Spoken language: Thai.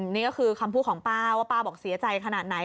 นี่ก็คือคำพูดของป้าว่าป้าบอกเสียใจขนาดไหน